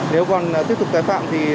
nếu còn tiếp tục tái phạm thì